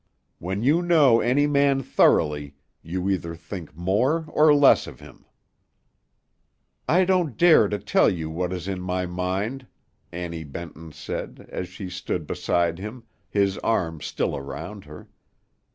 When you know any man thoroughly, you either think more or less of him." "I don't dare to tell you what is in my mind," Annie Benton said, as she stood beside him, his arm still around her.